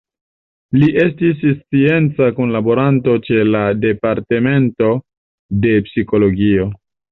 Li estis scienca kunlaboranto ĉe la Departemento de Psikologio.